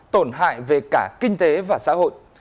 tổn hại về cả kinh tế và xã hội